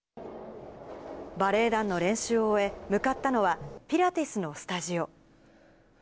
バレエ団の練習を終え、向かったのは、ピラティスのスタジオ。